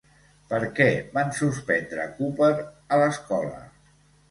Per què van suspendre Cooper a l'escola?